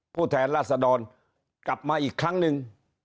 ผู้แทนราษดรกลับมาอีกครั้งหนึ่ง